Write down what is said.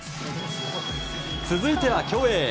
続いては競泳。